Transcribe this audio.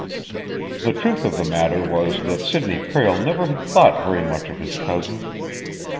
The truth of the matter was that Sidney Prale never had thought very much of his cousin.